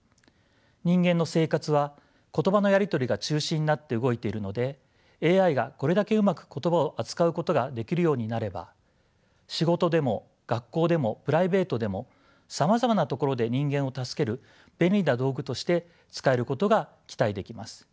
人間の生活は言葉のやり取りが中心になって動いているのでＡＩがこれだけうまく言葉を扱うことができるようになれば仕事でも学校でもプライベートでもさまざまなところで人間を助ける便利な道具として使えることが期待できます。